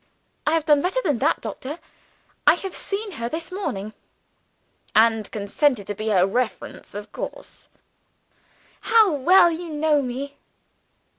"I have done better than that, doctor I have seen her this morning." "And consented to be her reference, of course?" "How well you know me!"